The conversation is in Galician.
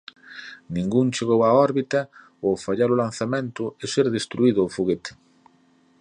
Ningún chegou a órbita ao fallar o lanzamento e ser destruído o foguete.